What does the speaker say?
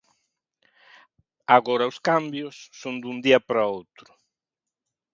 Agora os cambios son de un día para outro.